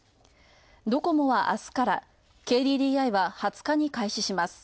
ドコモはあすから、ＫＤＤＩは２０日に開始。